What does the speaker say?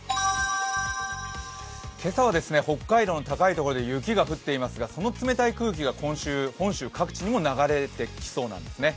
今朝は北海道の高いところで雪が降っていますがその冷たい空気が今週、本州各地にも流れ込んできそうなんですね。